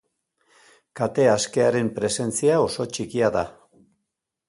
Kate askearen presentzia oso txikia da.